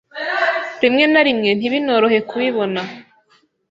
rimwe na rimwe ntibinorohe kubibona.